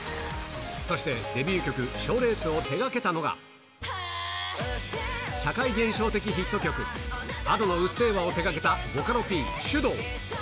そして、デビュー曲、ＳＨＯＷレースを手がけたのが、社会現象的ヒット曲、Ａｄｏのうっせぇわを手がけた、ボカロＰ、シュドウ。